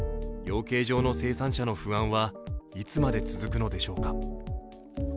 養鶏場の生産者の不安はいつまで続くのでしょうか。